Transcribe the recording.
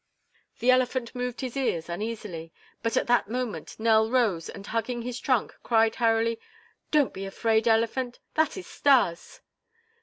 The elephant moved his ears uneasily, but at that moment Nell rose and, hugging his trunk, cried hurriedly: "Don't be afraid, elephant! That is Stas."